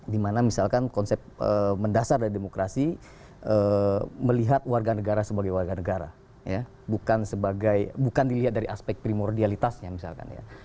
dimana misalkan konsep mendasar dari demokrasi melihat warga negara sebagai warga negara bukan dilihat dari aspek primordialitasnya misalkan ya